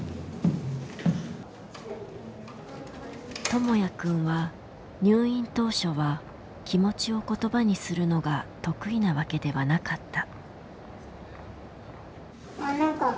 ともやくんは入院当初は気持ちを言葉にするのが得意なわけではなかった。